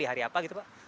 hari apa gitu pak